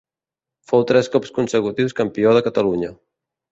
Fou tres cops consecutius campió de Catalunya.